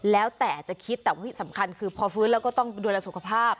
แล้วแต่จะคิดแต่สำคัญพอฟื้นแล้วก็ต้องดูรสกภาพ